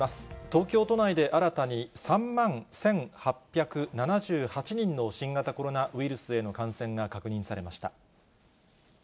東京都内で新たに、３万１８７８人の新型コロナウイルスへの感染が確認されました。